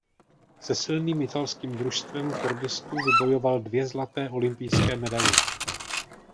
Se silným italským družstvem kordistů vybojoval dvě zlaté olympijské medaile.